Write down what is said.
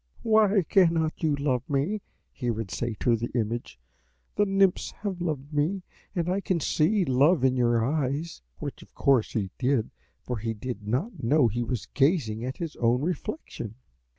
"'Why cannot you love me?' he would say to the image; 'the Nymphs have loved me, and I can see love in your eyes'; which, of course, he did, for he did not know he was gazing at his own reflection.